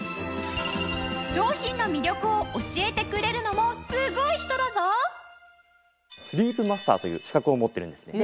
商品の魅力を教えてくれるのもすごい人だぞ！という資格を持ってるんですね。